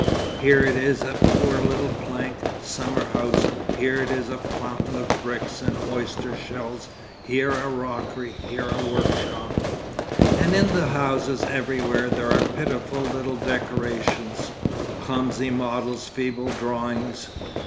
Here it is a poor little plank summer house, here it is a 'fountain' of bricks and oyster shells, here a 'rockery,' here a 'workshop.' And in the houses everywhere there are pitiful little decorations, clumsy models, feeble drawings.